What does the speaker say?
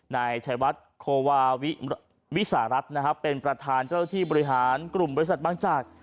นายชัยวัดโควาวิสารัฐนะครับเป็นประธานเจ้าที่บริหารกลุ่มบริษัทบางจาก